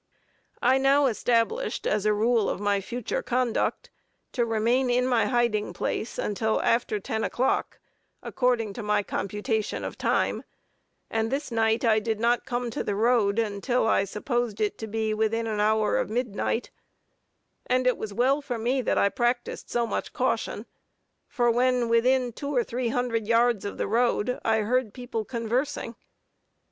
I now established, as a rule of my future conduct, to remain in my hiding place until after ten o'clock, according to my computation of time; and this night I did not come to the road until I supposed it to be within an hour of midnight, and it was well for me that I practiced so much caution, for when within two or three hundred yards of the road, I heard people conversing.